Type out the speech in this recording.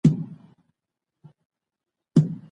ادبیاتو پوهنځۍ بې دلیله نه تړل کیږي.